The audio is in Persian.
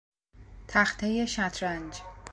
تختهی شطرنج